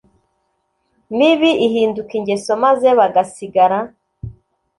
mibi, ihinduka ingeso, maze bagasigara